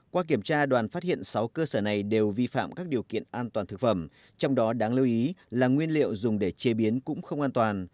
qua kiểm tra đoàn phát hiện sáu cơ sở này đều vi phạm các điều kiện an toàn thực phẩm trong đó đáng lưu ý là nguyên liệu dùng để chế biến cũng không an toàn